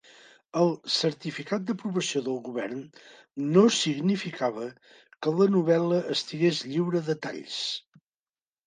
El certificat d'aprovació del govern no significava que la novel·la estigués lliure de talls.